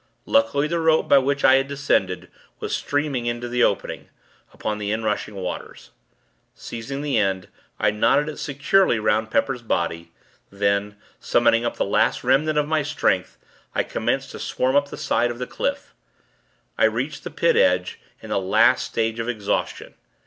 Luckily, the rope by which I had descended, was streaming into the opening, upon the inrushing waters. Seizing the end, I knotted it securely 'round Pepper's body, then, summoning up the last remnant of my strength, I commenced to swarm up the side of the cliff. I reached the Pit edge, in the last stage of exhaustion.